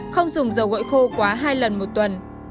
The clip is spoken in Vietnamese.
không dùng dầu gội khô quá hai lần một tuần